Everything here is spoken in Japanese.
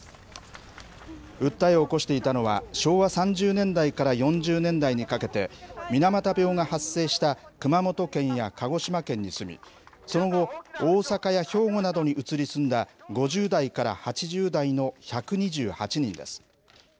訴えを起こしていたのは昭和３０年代から４０年代にかけて、水俣病が発生した熊本県や鹿児島県に住み、その後、大阪や兵庫などに移り住んだ５０代から８０代の１２８人です。